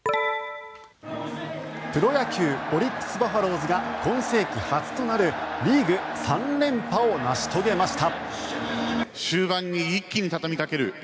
プロ野球オリックス・バファローズが今世紀初となるリーグ３連覇を成し遂げました。